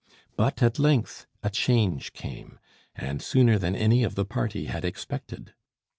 But at length a change came, and sooner than any of the party had expected.